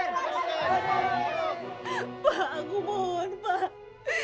bapak aku mohon pak